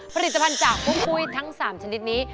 ผลิตจนทรัพย์จากหุ้มกุ้ยทั้ง๓ชนิดนี้